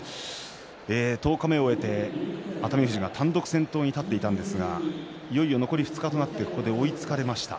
十日目を終えて熱海富士が単独先頭に立っていたんですがいよいよ残り２日となってここで追いつかれました。